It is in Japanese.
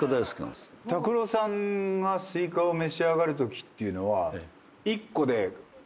拓郎さんがスイカを召し上がるときっていうのは１個で売ってる物